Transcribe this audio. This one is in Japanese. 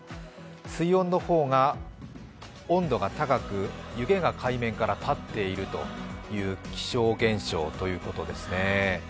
水温の方が温度が高く、湯気が海面から立っているという気象現象ということですね。